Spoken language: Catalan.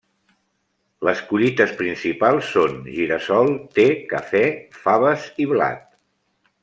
Les collites principals són gira-sol, te, cafè, faves i blat.